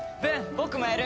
僕もやる！